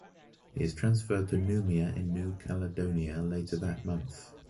He is transferred to Noumea in New Caledonia later that month.